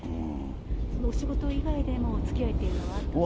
お仕事以外でもおつきあいというのはあったんですか。